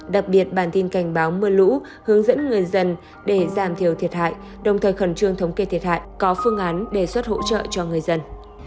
đặc biệt bản tin cảnh báo mưa lũ hướng dẫn người dân để giảm thiểu thiệt hại đồng thời khẩn trương thống kê thiệt hại có phương án đề xuất hỗ trợ cho người dân